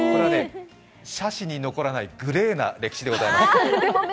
社史に残らないグレーな歴史でございます。